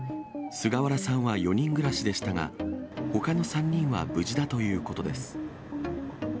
菅原さんは４人暮らしでしたが、ほかの３人は無事だということです。